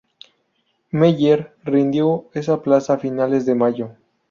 Meyer rindió esa plaza a finales de mayo.